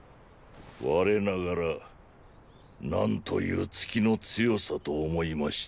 我ながら何というツキの強さと思いましたよ。